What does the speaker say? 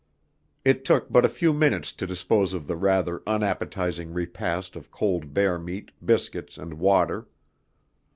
It took but a few minutes to dispose of the rather unappetizing repast of cold bear meat, biscuits and water.